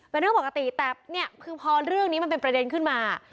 เป็นเรื่องปกติแต่เนี่ยคือพอเรื่องนี้มันเป็นประเด็นขึ้นมา